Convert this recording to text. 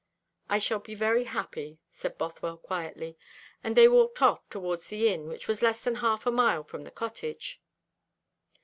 "I shall be very happy," said Bothwell quietly; and they walked off towards the inn, which was less than half a mile from the cottage.